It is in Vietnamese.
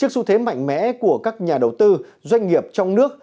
trước xu thế mạnh mẽ của các nhà đầu tư doanh nghiệp trong nước